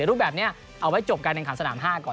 แต่รูปแบบนี้เอาไว้จบกันในการสนาม๕ก่อน